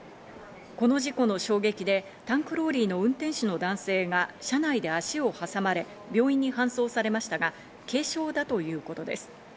この事故の衝撃でタンクローリーの運転手の男性が車内で足を挟まれ、病院に搬送されましたが軽傷だということです。